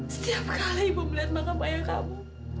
setiap kali ibu melihat makam ayah kamu